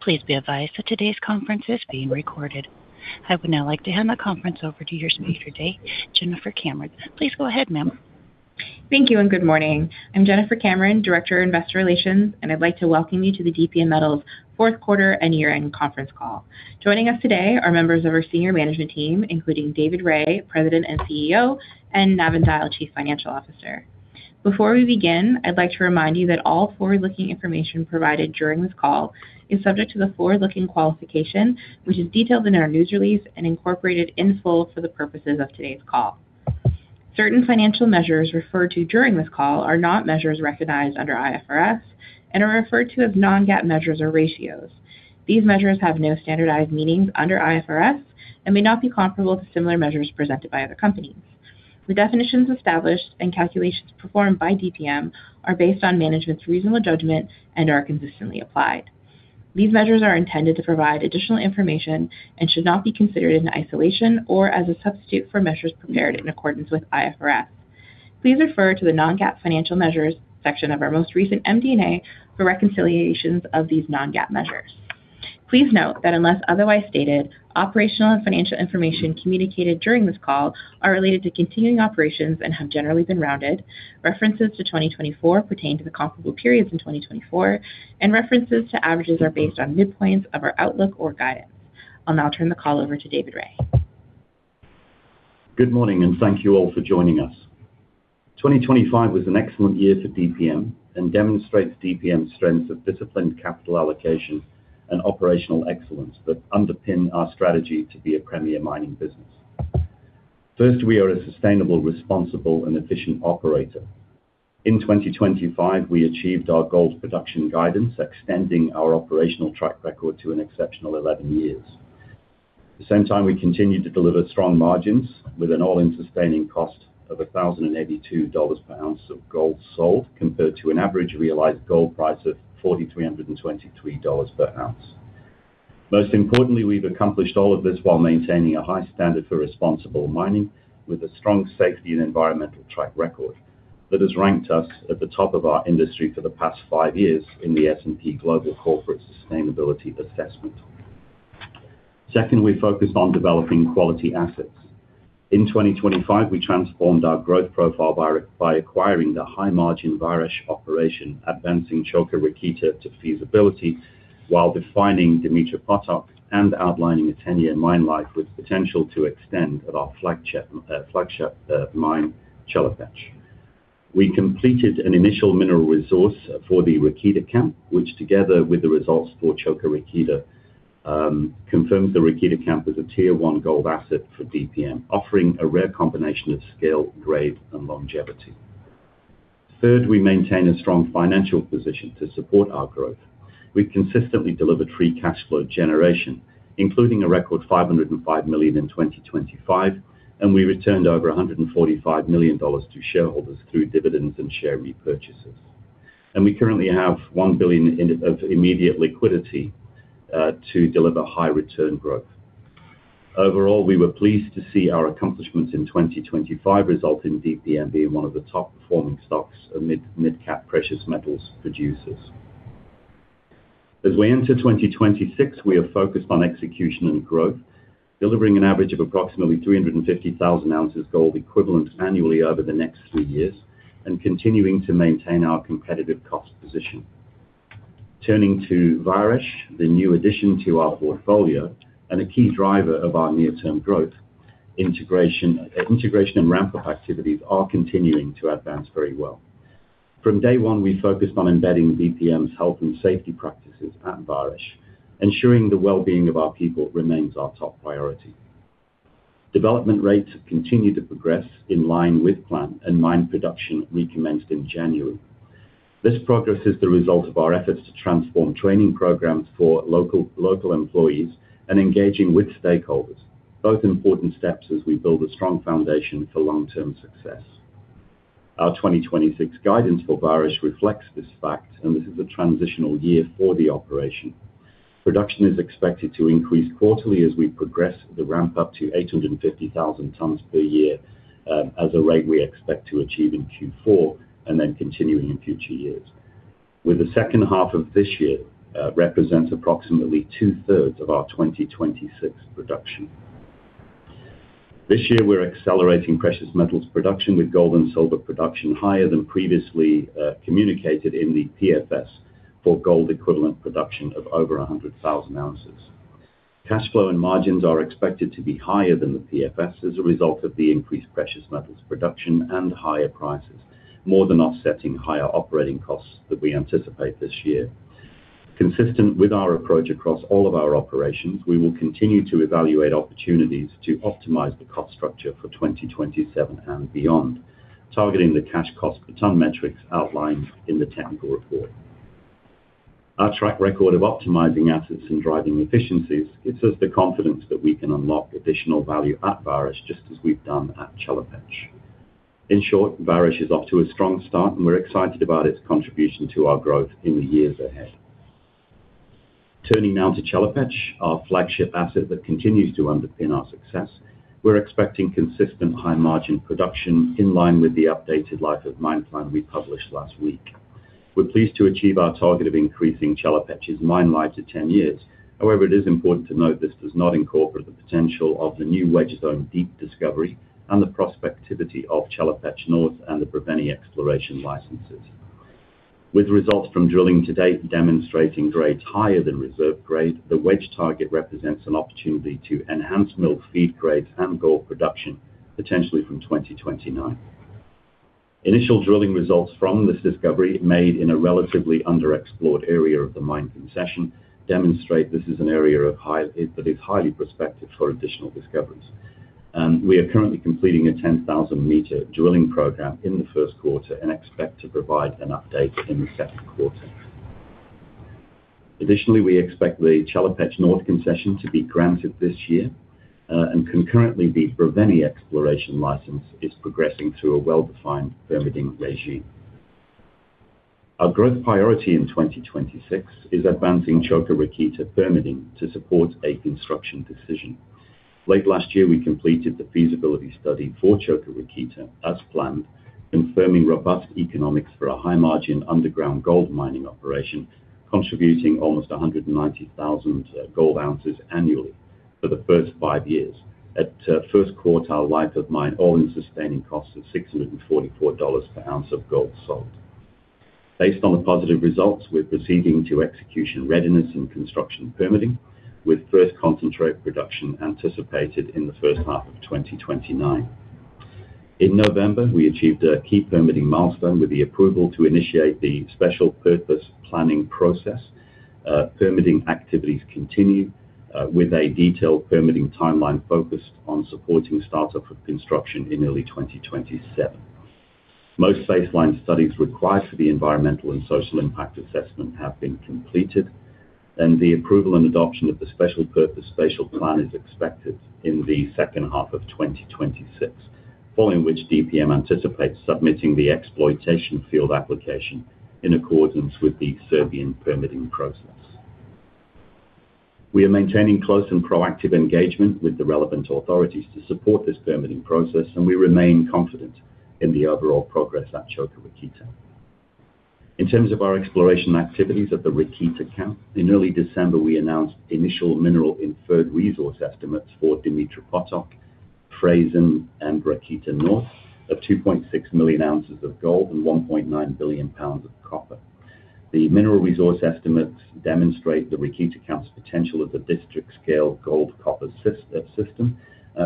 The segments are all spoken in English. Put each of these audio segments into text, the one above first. Please be advised that today's conference is being recorded. I would now like to hand the conference over to your speaker today, Jennifer Cameron. Please go ahead, ma'am. Thank you, and good morning. I'm Jennifer Cameron, Director of Investor Relations, and I'd like to welcome you to the Dundee Precious Metals fourth quarter and year-end conference call. Joining us today are members of our senior management team, including David Rae, President and CEO, and Navin Dyal, Chief Financial Officer. Before we begin, I'd like to remind you that all forward-looking information provided during this call is subject to the forward-looking qualification, which is detailed in our news release and incorporated in full for the purposes of today's call. Certain financial measures referred to during this call are not measures recognized under IFRS and are referred to as non-GAAP measures or ratios. These measures have no standardized meanings under IFRS and may not be comparable to similar measures presented by other companies. The definitions established and calculations performed by DPM are based on management's reasonable judgment and are consistently applied. These measures are intended to provide additional information and should not be considered in isolation or as a substitute for measures prepared in accordance with IFRS. Please refer to the non-GAAP financial measures section of our most recent MD&A for reconciliations of these non-GAAP measures. Please note that unless otherwise stated, operational and financial information communicated during this call are related to continuing operations and have generally been rounded. References to 2024 pertain to the comparable periods in 2024, and references to averages are based on midpoints of our outlook or guidance. I'll now turn the call over to David Rae. Good morning, and thank you all for joining us. 2025 was an excellent year for DPM and demonstrates DPM's strengths of disciplined capital allocation and operational excellence that underpin our strategy to be a premier mining business. First, we are a sustainable, responsible, and efficient operator. In 2025, we achieved our gold production guidance, extending our operational track record to an exceptional 11 years. At the same time, we continued to deliver strong margins with an all-in sustaining cost of $1,082 per ounce of gold sold, compared to an average realized gold price of $4,323 per ounce. Most importantly, we've accomplished all of this while maintaining a high standard for responsible mining, with a strong safety and environmental track record that has ranked us at the top of our industry for the past five years in the S&P Global Corporate Sustainability Assessment. Second, we focused on developing quality assets. In 2025, we transformed our growth profile by acquiring the high-margin Vareš operation, advancing Čoka Rakita to feasibility, while defining Dumitru Potok and outlining a ten-year mine life with potential to extend at our flagship mine, Chelopech. We completed an initial mineral resource for the Rakita camp, which, together with the results for Čoka Rakita, confirms the Rakita camp as a Tier One gold asset for DPM, offering a rare combination of scale, grade, and longevity. Third, we maintain a strong financial position to support our growth. We've consistently delivered free cash flow generation, including a record $505 million in 2025, and we returned over $145 million to shareholders through dividends and share repurchases. We currently have $1 billion in immediate liquidity to deliver high return growth. Overall, we were pleased to see our accomplishments in 2025 result in DPM being one of the top-performing stocks amid mid-cap precious metals producers. As we enter 2026, we are focused on execution and growth, delivering an average of approximately 350,000 ounces gold equivalent annually over the next three years, and continuing to maintain our competitive cost position. Turning to Vareš, the new addition to our portfolio and a key driver of our near-term growth, integration and ramp-up activities are continuing to advance very well. From day one, we focused on embedding DPM's health and safety practices at Vareš. Ensuring the well-being of our people remains our top priority. Development rates have continued to progress in line with plan, and mine production recommenced in January. This progress is the result of our efforts to transform training programs for local, local employees and engaging with stakeholders, both important steps as we build a strong foundation for long-term success. Our 2026 guidance for Vareš reflects this fact, and this is a transitional year for the operation. Production is expected to increase quarterly as we progress the ramp up to 850,000 tons per year, as a rate we expect to achieve in Q4 and then continuing in future years, with the second half of this year represents approximately two-thirds of our 2026 production. This year, we're accelerating precious metals production, with gold and silver production higher than previously communicated in the PFS for gold equivalent production of over 100,000 ounces. Cash flow and margins are expected to be higher than the PFS as a result of the increased precious metals production and higher prices, more than offsetting higher operating costs that we anticipate this year. Consistent with our approach across all of our operations, we will continue to evaluate opportunities to optimize the cost structure for 2027 and beyond, targeting the cash cost per ton metrics outlined in the technical report. Our track record of optimizing assets and driving efficiencies gives us the confidence that we can unlock additional value at Vareš, just as we've done at Chelopech. In short, Vareš is off to a strong start, and we're excited about its contribution to our growth in the years ahead. Turning now to Chelopech, our flagship asset that continues to underpin our success. We're expecting consistent high-margin production in line with the updated life of mine plan we published last week.... We're pleased to achieve our target of increasing Chelopech's mine life to 10 years. However, it is important to note this does not incorporate the potential of the new Wedge Zone deep discovery and the prospectivity of Chelopech North and the Brevene exploration licenses. With results from drilling to date demonstrating grades higher than reserve grade, the Wedge target represents an opportunity to enhance mill feed grades and gold production, potentially from 2029. Initial drilling results from this discovery, made in a relatively underexplored area of the mine concession, demonstrate this is an area of high - that is highly prospective for additional discoveries. We are currently completing a 10,000-meter drilling program in the first quarter, and expect to provide an update in the second quarter. Additionally, we expect the Chelopech North concession to be granted this year, and concurrently, the Brevene exploration license is progressing through a well-defined permitting regime. Our growth priority in 2026 is advancing Čoka Rakita permitting to support a construction decision. Late last year, we completed the feasibility study for Čoka Rakita, as planned, confirming robust economics for a high-margin underground gold mining operation, contributing almost 190,000 gold ounces annually for the first five years, at first quartile life of mine all-in sustaining costs of $644 per ounce of gold sold. Based on the positive results, we're proceeding to execution readiness and construction permitting, with first concentrate production anticipated in the first half of 2029. In November, we achieved a key permitting milestone with the approval to initiate the Special Purpose Spatial Plan. Permitting activities continue with a detailed permitting timeline focused on supporting start-up of construction in early 2027. Most baseline studies required for the Environmental and Social Impact Assessment have been completed, and the approval and adoption of the Special Purpose Spatial Plan is expected in the second half of 2026, following which DPM anticipates submitting the Exploitation Field Application in accordance with the Serbian permitting process. We are maintaining close and proactive engagement with the relevant authorities to support this permitting process, and we remain confident in the overall progress at Čoka Rakita. In terms of our exploration activities at the Rakita camp, in early December, we announced initial Inferred Mineral Resource estimates for Dumitru Potok, Frasen and Rakita North of 2.6 million ounces of gold and 1.9 billion lbs of copper. The mineral resource estimates demonstrate the Rakita camp's potential of the district-scale gold-copper system,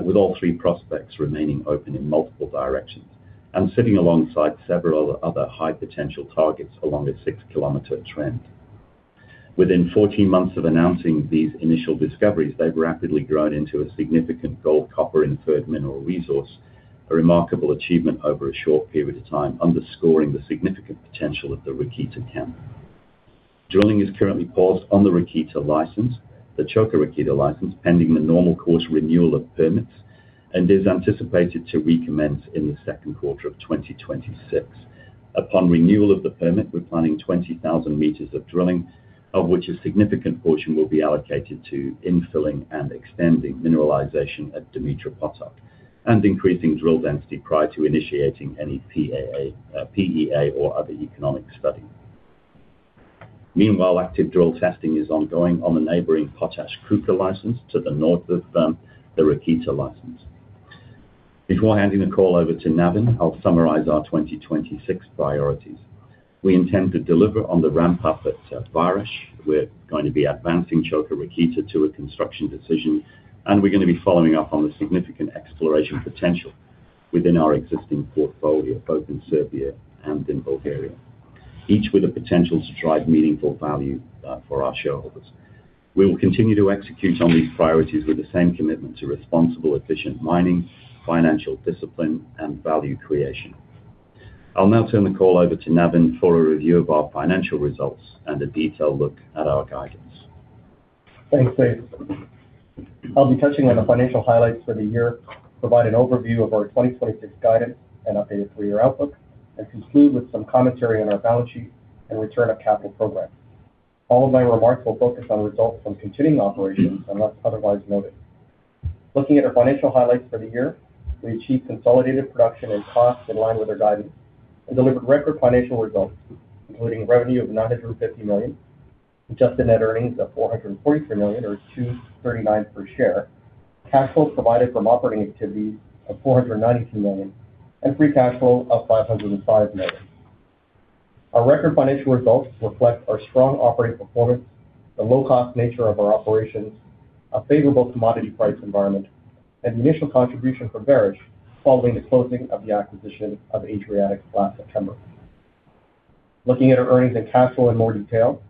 with all three prospects remaining open in multiple directions, and sitting alongside several other high-potential targets along its 6-km trend. Within 14 months of announcing these initial discoveries, they've rapidly grown into a significant gold-copper inferred mineral resource, a remarkable achievement over a short period of time, underscoring the significant potential of the Rakita camp. Drilling is currently paused on the Rakita license, the Čoka Rakita license, pending the normal course renewal of permits, and is anticipated to recommence in the second quarter of 2026. Upon renewal of the permit, we're planning 20,000 m of drilling, of which a significant portion will be allocated to infilling and extending mineralization at Dumitru Potok, and increasing drill density prior to initiating any PEA or other economic study. Meanwhile, active drill testing is ongoing on the neighboring Potaj Čuka license to the north of the Rakita license. Before handing the call over to Navin, I'll summarize our 2026 priorities. We intend to deliver on the ramp-up at Vareš. We're going to be advancing Čoka Rakita to a construction decision, and we're going to be following up on the significant exploration potential within our existing portfolio, both in Serbia and in Bulgaria, each with the potential to drive meaningful value for our shareholders. We will continue to execute on these priorities with the same commitment to responsible, efficient mining, financial discipline, and value creation. I'll now turn the call over to Navin for a review of our financial results and a detailed look at our guidance. Thanks, Dave. I'll be touching on the financial highlights for the year, provide an overview of our 2026 guidance and updated three-year outlook, and conclude with some commentary on our balance sheet and return of capital program. All of my remarks will focus on results from continuing operations, unless otherwise noted. Looking at our financial highlights for the year, we achieved consolidated production and costs in line with our guidance and delivered record financial results, including revenue of $950 million, adjusted net earnings of $443 million, or $2.39 per share, cash flow provided from operating activities of $492 million, and Free Cash Flow of $505 million. Our record financial results reflect our strong operating performance, the low-cost nature of our operations, a favorable commodity price environment, and the initial contribution from Vareš following the closing of the acquisition of Adriatic Metals last September. Looking at our earnings and cash flow in more detail,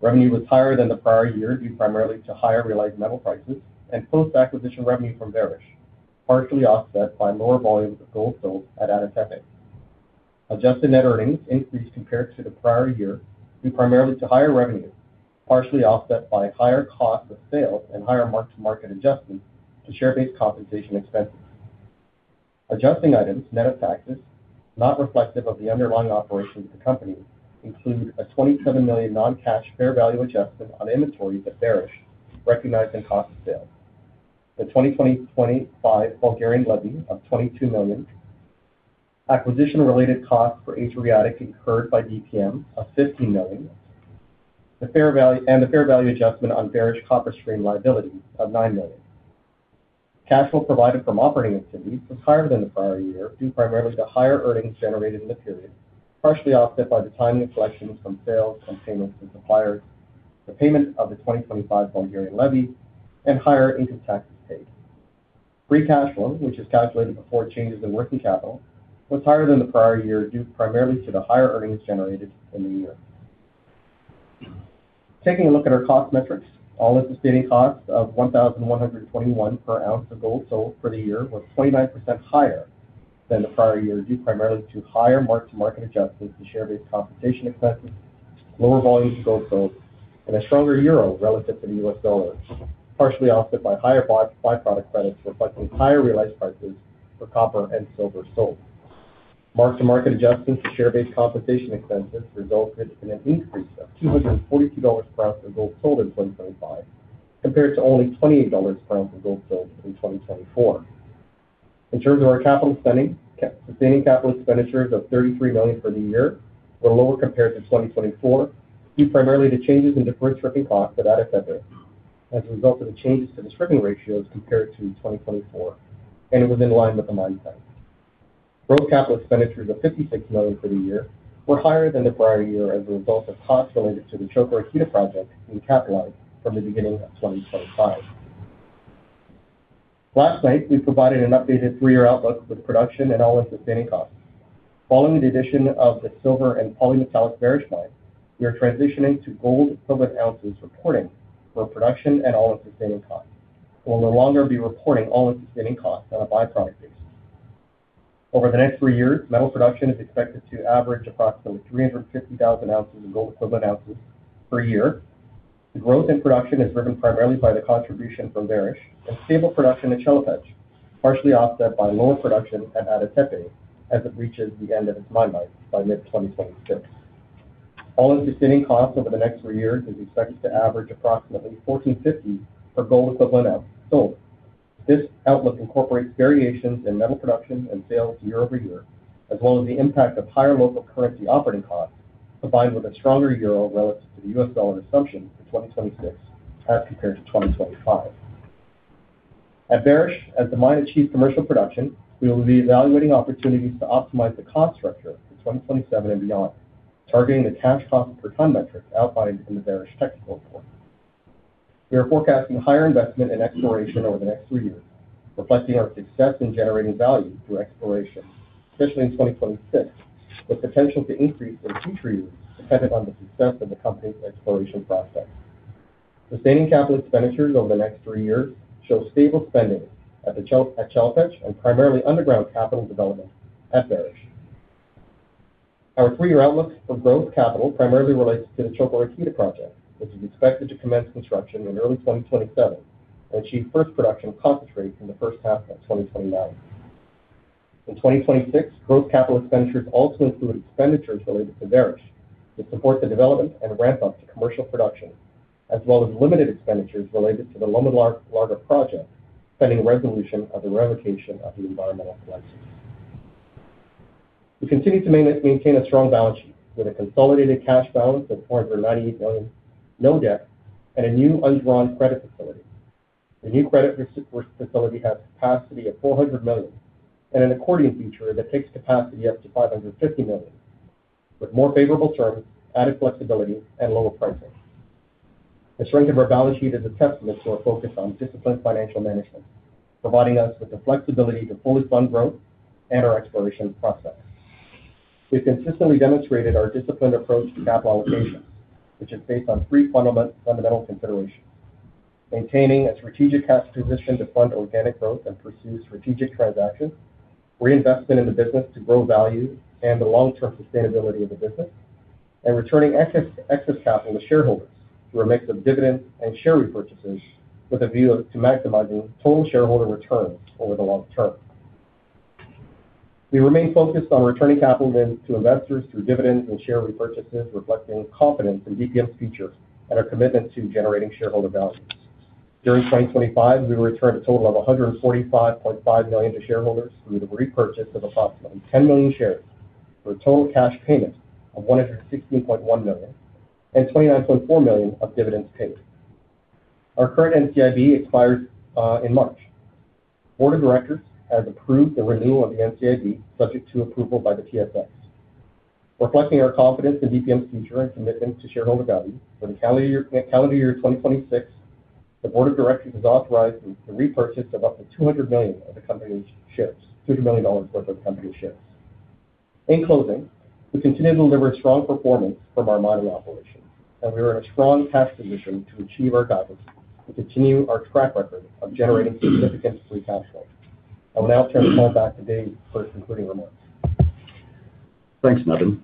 revenue was higher than the prior year, due primarily to higher realized metal prices and post-acquisition revenue from Vareš, partially offset by lower volumes of gold sold at Ada Tepe. Adjusted net earnings increased compared to the prior year, due primarily to higher revenue, partially offset by higher cost of sale and higher mark-to-market adjustments to share-based compensation expenses. Adjusting items, net of taxes, not reflective of the underlying operations of the company, include a $27 million non-cash fair value adjustment on inventory to Vareš, recognized in cost of sale.... the 2025 Bulgarian levy of $22 million, acquisition-related costs for Adriatic Metals incurred by DPM of $15 million, the fair value and the fair value adjustment on Vareš copper stream liability of $9 million. Cash flow provided from operating activities was higher than the prior year, due primarily to higher earnings generated in the period, partially offset by the timing of collections from sales, from payments to suppliers, the payment of the 2025 Bulgarian levy, and higher income taxes paid. Free Cash Flow, which is calculated before changes in working capital, was higher than the prior year, due primarily to the higher earnings generated in the year. Taking a look at our cost metrics, all-in sustaining costs of $1,121 per ounce of gold sold for the year were 29% higher than the prior year, due primarily to higher mark-to-market adjustments and share-based compensation expenses, lower volume of gold sold, and a stronger euro relative to the US dollar, partially offset by higher byproduct credits, reflecting higher realized prices for copper and silver sold. Mark-to-market adjustments to share-based compensation expenses resulted in an increase of $242 per ounce of gold sold in 2025, compared to only $28 per ounce of gold sold in 2024. In terms of our capital spending, sustaining capital expenditures of $33 million for the year were lower compared to 2024, due primarily to changes in deferred stripping costs at Ada Tepe as a result of the changes to the stripping ratios compared to 2024, and it was in line with the mine plan. Growth capital expenditures of $56 million for the year were higher than the prior year as a result of costs related to the Čoka Rakita project being capitalized from the beginning of 2025. Last night, we provided an updated 3-year outlook with production and all-in sustaining costs. Following the addition of the silver and polymetallic Vareš mine, we are transitioning to gold silver ounces reporting for production and all-in sustaining costs. We'll no longer be reporting all-in sustaining costs on a by-product basis. Over the next three years, metal production is expected to average approximately 350,000 ounces of gold equivalent ounces per year. The growth in production is driven primarily by the contribution from Vareš and stable production in Chelopech, partially offset by lower production at Ada Tepe as it reaches the end of its mine life by mid-2026. All-in Sustaining Costs over the next three years is expected to average approximately $1,450 per gold equivalent ounce sold. This outlook incorporates variations in metal production and sales year-over-year, as well as the impact of higher local currency operating costs, combined with a stronger euro relative to the US dollar assumption for 2026 as compared to 2025. At Vareš, as the mine achieves commercial production, we will be evaluating opportunities to optimize the cost structure for 2027 and beyond, targeting the cash cost per ton metric outlined in the Vareš technical report. We are forecasting higher investment in exploration over the next three years, reflecting our success in generating value through exploration, especially in 2026, with potential to increase for two to three years, dependent on the success of the company's exploration process. Sustaining capital expenditures over the next three years shows stable spending at Chelopech, and primarily underground capital development at Vareš. Our three-year outlook for growth capital primarily relates to the Čoka Rakita project, which is expected to commence construction in early 2027 and achieve first production of concentrate in the first half of 2029. In 2026, growth capital expenditures also include expenditures related to Vareš, which support the development and ramp up to commercial production, as well as limited expenditures related to the Loma Larga project, pending resolution of the revocation of the environmental license. We continue to maintain a strong balance sheet with a consolidated cash balance of $498 million, no debt, and a new undrawn credit facility. The new credit facility has capacity of $400 million and an accordion feature that takes capacity up to $550 million, with more favorable terms, added flexibility, and lower pricing. The strength of our balance sheet is a testament to our focus on disciplined financial management, providing us with the flexibility to fully fund growth and our exploration process. We've consistently demonstrated our disciplined approach to capital allocation, which is based on three fundamental considerations: maintaining a strategic cash position to fund organic growth and pursue strategic transactions, reinvestment in the business to grow value and the long-term sustainability of the business, and returning excess capital to shareholders through a mix of dividends and share repurchases with a view to maximizing total shareholder returns over the long term. We remain focused on returning capital then to investors through dividends and share repurchases, reflecting confidence in DPM's future and our commitment to generating shareholder value. During 2025, we returned a total of $145.5 million to shareholders through the repurchase of approximately 10 million shares, for a total cash payment of $160.1 million and $29.4 million of dividends paid. Our current NCIB expired in March. Board of Directors has approved the renewal of the NCIB, subject to approval by the TSX. Reflecting our confidence in DPM's future and commitment to shareholder value, for the calendar year, calendar year 2026, the Board of Directors has authorized the repurchase of up to 200 million of the company's shares, $200 million worth of the company's shares. In closing, we continue to deliver strong performance from our mining operations, and we are in a strong cash position to achieve our targets and continue our track record of generating significant free cash flow. I will now turn the call back to Dave for his concluding remarks. Thanks, Navin.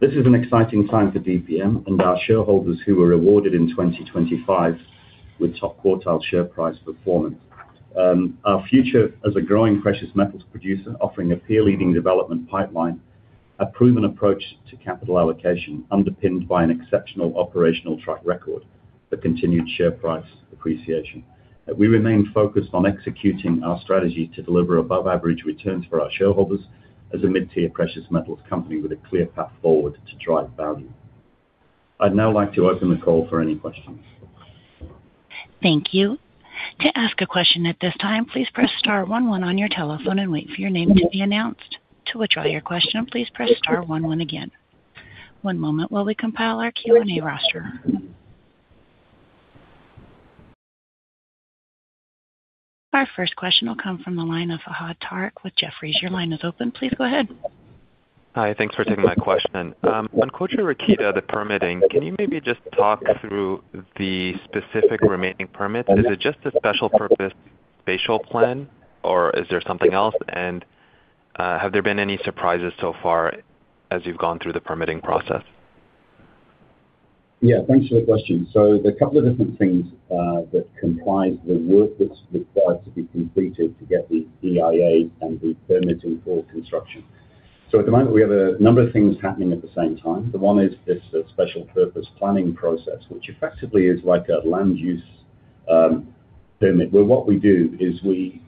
This is an exciting time for DPM and our shareholders, who were awarded in 2025 with top-quartile share price performance. Our future as a growing precious metals producer, offering a peer-leading development pipeline,... a proven approach to capital allocation, underpinned by an exceptional operational track record, the continued share price appreciation. We remain focused on executing our strategy to deliver above average returns for our shareholders as a mid-tier precious metals company with a clear path forward to drive value. I'd now like to open the call for any questions. Thank you. To ask a question at this time, please press star one one on your telephone and wait for your name to be announced. To withdraw your question, please press star one one again. One moment while we compile our Q&A roster. Our first question will come from the line of Fahad Tariq with Jefferies. Your line is open. Please go ahead. Hi, thanks for taking my question. On Čoka Rakita, the permitting, can you maybe just talk through the specific remaining permits? Is it just a Special Purpose Spatial Plan, or is there something else? And, have there been any surprises so far as you've gone through the permitting process? Yeah, thanks for the question. So there are a couple of different things that comprise the work that's required to be completed to get the EIA and the permitting for construction. So at the moment, we have a number of things happening at the same time. The one is this special purpose planning process, which effectively is like a land use permit, where what we do is we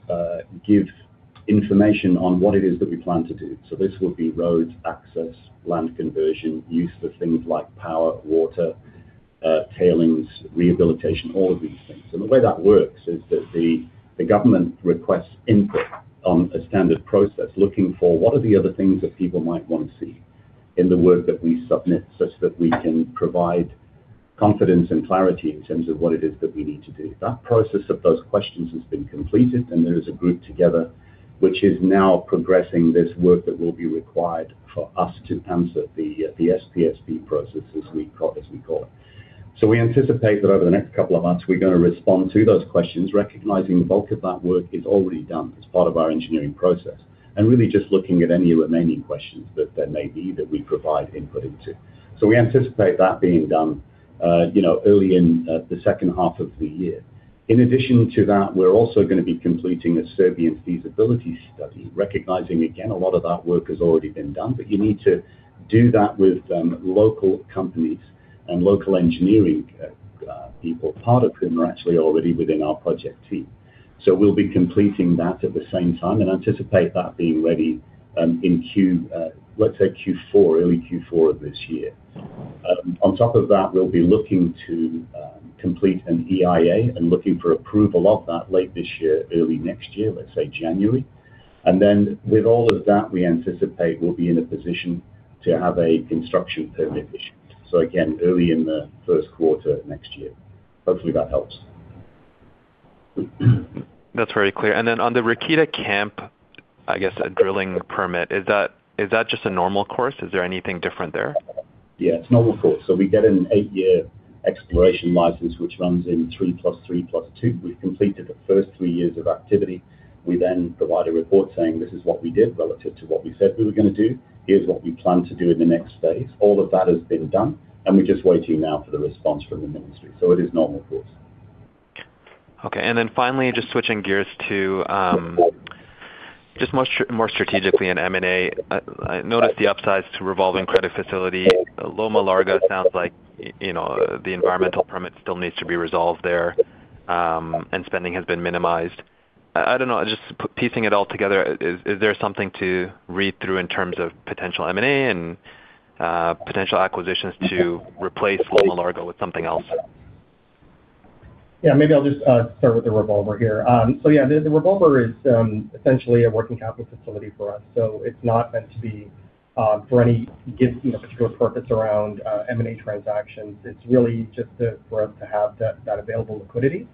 give information on what it is that we plan to do. So this would be roads, access, land conversion, use for things like power, water, tailings, rehabilitation, all of these things. The way that works is that the government requests input on a standard process, looking for what are the other things that people might want to see in the work that we submit, such that we can provide confidence and clarity in terms of what it is that we need to do. That process of those questions has been completed, and there is a group together which is now progressing this work that will be required for us to answer the SPSP process, as we call it. So we anticipate that over the next couple of months, we're gonna respond to those questions, recognizing the bulk of that work is already done as part of our engineering process, and really just looking at any remaining questions that there may be that we provide input into. So we anticipate that being done, you know, early in the second half of the year. In addition to that, we're also gonna be completing a Serbian feasibility study, recognizing, again, a lot of that work has already been done, but you need to do that with local companies and local engineering people, part of whom are actually already within our project team. So we'll be completing that at the same time and anticipate that being ready in Q, let's say Q4, early Q4 of this year. On top of that, we'll be looking to complete an EIA and looking for approval of that late this year, early next year, let's say January. And then with all of that, we anticipate we'll be in a position to have a construction permit issued. So again, early in the first quarter next year. Hopefully, that helps. That's very clear. Then on the Rakita camp, I guess, a drilling permit, is that, is that just a normal course? Is there anything different there? Yeah, it's normal course. So we get an eight-year exploration license, which runs in 3 + 3 + 2. We've completed the first three years of activity. We then provide a report saying, "This is what we did relative to what we said we were gonna do. Here's what we plan to do in the next phase." All of that has been done, and we're just waiting now for the response from the ministry. So it is normal course. Okay, and then finally, just switching gears to just more strategically in M&A, I noticed the upsides to revolving credit facility. Loma Larga sounds like, you know, the environmental permit still needs to be resolved there, and spending has been minimized. I don't know, just piecing it all together, is there something to read through in terms of potential M&A and potential acquisitions to replace Loma Larga with something else? Yeah, maybe I'll just start with the revolver here. So yeah, the revolver is essentially a working capital facility for us, so it's not meant to be for any gifts, you know, particular purpose around M&A transactions. It's really just for us to have that available liquidity.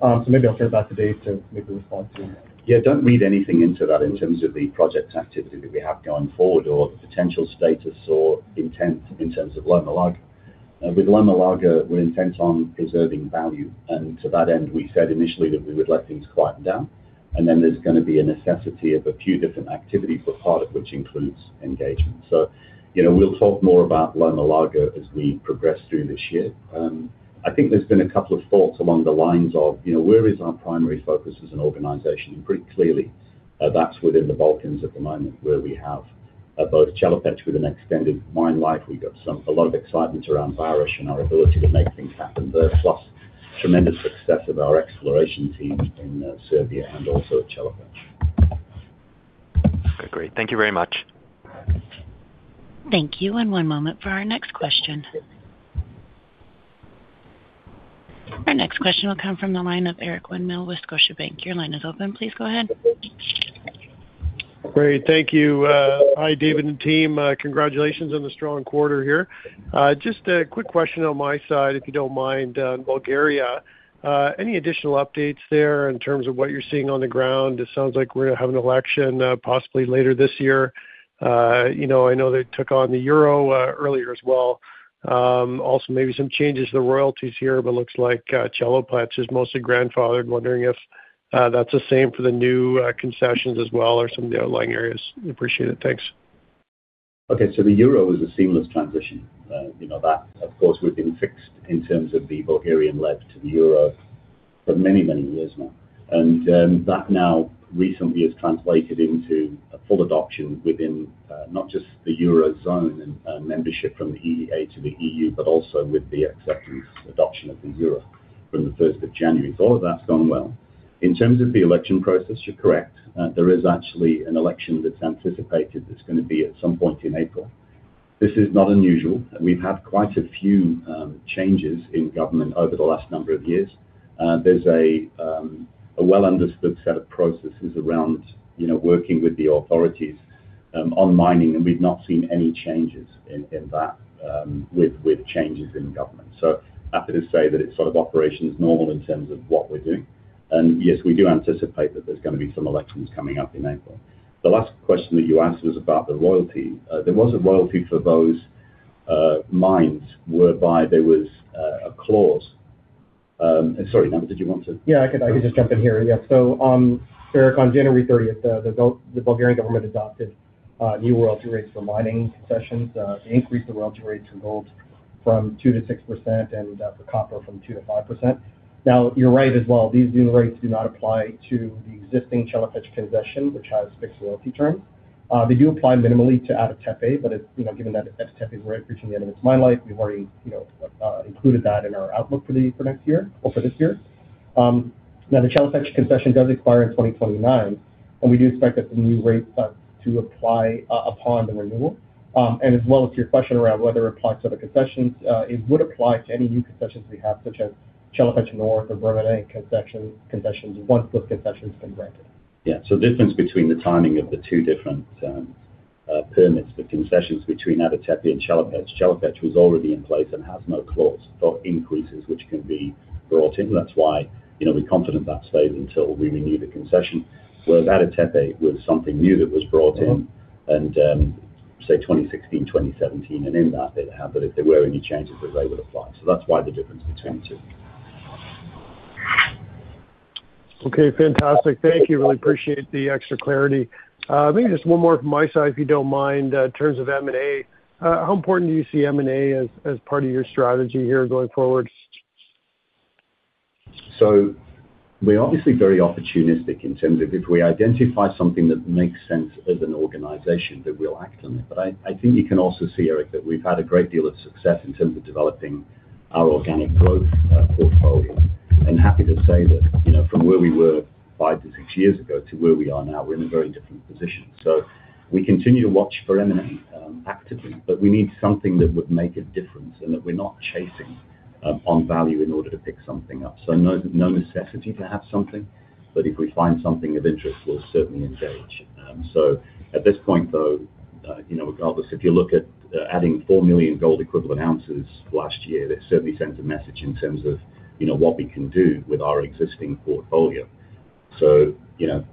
So maybe I'll turn it back to Dave to make a response to that. Yeah, don't read anything into that in terms of the project activity that we have going forward or the potential status or intent in terms of Loma Larga. With Loma Larga, we're intent on preserving value, and to that end, we said initially that we would let things quieten down, and then there's gonna be a necessity of a few different activities, a part of which includes engagement. So, you know, we'll talk more about Loma Larga as we progress through this year. I think there's been a couple of thoughts along the lines of, you know, where is our primary focus as an organization? And pretty clearly, that's within the Balkans at the moment, where we have both Chelopech with an extended mine life. We've got some, a lot of excitement around Vareš and our ability to make things happen there, plus tremendous success of our exploration team in, Serbia and also at Chelopech. Okay, great. Thank you very much. Thank you, and one moment for our next question. Our next question will come from the line of Eric Winmill with Scotiabank. Your line is open. Please go ahead. Great, thank you. Hi, David and team. Congratulations on the strong quarter here. Just a quick question on my side, if you don't mind, on Bulgaria. Any additional updates there in terms of what you're seeing on the ground? It sounds like we're gonna have an election, possibly later this year. You know, I know they took on the euro, earlier as well. Also, maybe some changes to the royalties here, but it looks like, Chelopech is mostly grandfathered. Wondering if, that's the same for the new, concessions as well or some of the outlying areas. Appreciate it. Thanks. Okay, so the euro is a seamless transition. You know, that, of course, we've been fixed in terms of the Bulgarian lev to the euro for many, many years now. And, that now recently has translated into a full adoption within, not just the Eurozone and, membership from the EEA to the EU, but also with the acceptance, adoption of the euro from the first of January. So all of that's gone well. In terms of the election process, you're correct. There is actually an election that's anticipated, that's gonna be at some point in April. This is not unusual. We've had quite a few, changes in government over the last number of years. There's a well-understood set of processes around, you know, working with the authorities, on mining, and we've not seen any changes in that, with changes in government. So happy to say that it's sort of operations normal in terms of what we're doing. And yes, we do anticipate that there's gonna be some elections coming up in April. The last question that you asked was about the royalty. There was a royalty for those mines, whereby there was a clause. And sorry, Dominic, did you want to- Yeah, I could just jump in here. Yeah. So, Eric, on January 30th, the Bulgarian government adopted new royalty rates for mining concessions. They increased the royalty rate to gold from 2%-6% and for copper from 2%-5%. Now, you're right as well. These new rates do not apply to the existing Chelopech concession, which has fixed royalty terms. They do apply minimally to Ada Tepe, but it's, you know, given that Ada Tepe is nearing the end of its mine life, we've already, you know, included that in our outlook for next year or for this year. Now the Chelopech concession does expire in 2029, and we do expect that the new rate start to apply upon the renewal. As well, to your question around whether it applies to other concessions, it would apply to any new concessions we have, such as Chelopech North or Brevene concession, concessions once those concessions have been granted. Yeah, so the difference between the timing of the two different permits, the concessions between Ada Tepe and Chelopech. Chelopech was already in place and has no clause or increases, which can be brought in. That's why, you know, we're confident that stayed until we renew the concession. Whereas Ada Tepe was something new that was brought in, and say 2016, 2017, and in that they'd have that if there were any changes, that they would apply. So that's why the difference between the two. Okay, fantastic. Thank you. Really appreciate the extra clarity. Maybe just one more from my side, if you don't mind, in terms of M&A. How important do you see M&A as, as part of your strategy here going forward? So we're obviously very opportunistic in terms of if we identify something that makes sense as an organization, that we'll act on it. But I, I think you can also see, Eric, that we've had a great deal of success in terms of developing our organic growth portfolio. And happy to say that, you know, from where we were five to six years ago to where we are now, we're in a very different position. So we continue to watch for M&A actively, but we need something that would make a difference and that we're not chasing on value in order to pick something up. So no, no necessity to have something, but if we find something of interest, we'll certainly engage. So at this point, though, you know, regardless, if you look at adding 4 million gold equivalent ounces last year, that certainly sends a message in terms of, you know, what we can do with our existing portfolio. So, you know,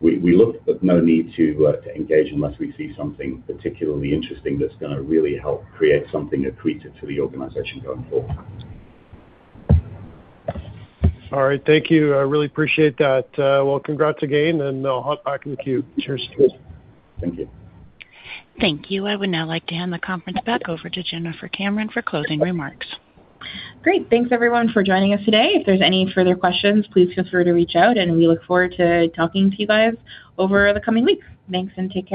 we, we look, but no need to, to engage unless we see something particularly interesting that's gonna really help create something accretive to the organization going forward. All right. Thank you. I really appreciate that. Well, congrats again, and I'll hop back in the queue. Cheers. Thank you. Thank you. I would now like to hand the conference back over to Jennifer Cameron for closing remarks. Great. Thanks, everyone, for joining us today. If there's any further questions, please feel free to reach out, and we look forward to talking to you guys over the coming weeks. Thanks, and take care.